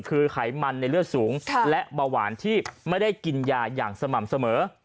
คือไขมันในเลือดสูงและเบาหวานที่ไม่ได้กินยาอย่างสม่ำเสมอ